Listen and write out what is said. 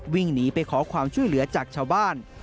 วิ่งหนีไปขอความช่วยเหลือจากชาวบ้าน